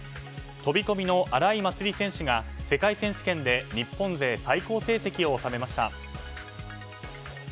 飛び込みの荒井祭里選手が世界選手権で日本勢最高成績を収めました。